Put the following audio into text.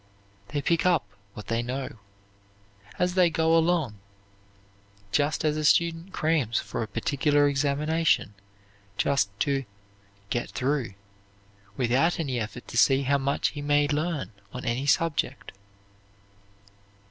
They pick up what they know, as they go along, just as a student crams for a particular examination, just to "get through," without any effort to see how much he may learn on any subject.